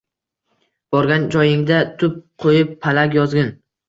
Borgan joyingda tup qo‘yib palak yozgin.